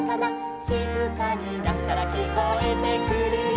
「しずかになったらきこえてくるよ」